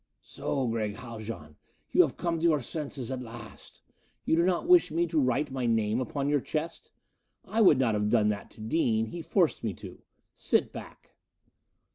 "So, Gregg Haljan? You have come to your senses at last. You do not wish me to write my name upon your chest? I would not have done that to Dean; he forced me. Sit back."